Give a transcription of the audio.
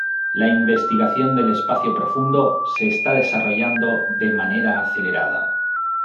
La investigación del espacio profundo se está desarrollando de manera acelerada.